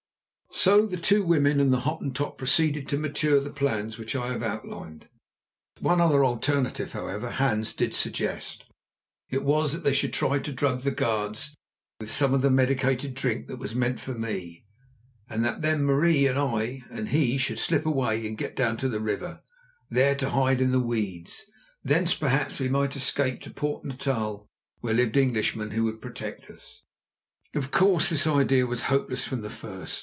So the two women and the Hottentot proceeded to mature the plans which I have outlined. One other alternative, however, Hans did suggest. It was that they should try to drug the guards with some of the medicated drink that was meant for me, and that then Marie, I and he should slip away and get down to the river, there to hide in the weeds. Thence, perhaps, we might escape to Port Natal where lived Englishmen who would protect us. Of course this idea was hopeless from the first.